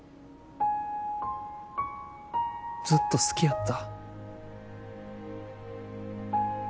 ずっと好きやった。